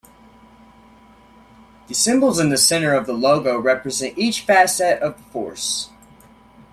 The symbols in the center of the logo represent each facet of the force.